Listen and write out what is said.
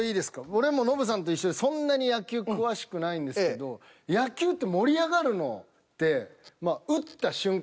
俺もノブさんと一緒でそんなに野球詳しくないんですけど野球って盛り上がるのってまあ打った瞬間